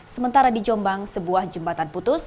sementara di jombang sebuah jembatan putus